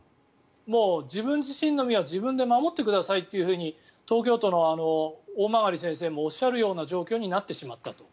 自分自身の身は自分で守ってくださいと東京都の大曲先生もおっしゃるような状況になってしまったと。